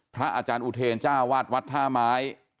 พระอาจารย์อุเทรจ้าวาดวัดท่าไม้